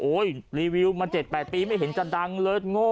โอ้ยรีวิวมา๗๘ปีไม่เห็นจัดดังเลิศงโภ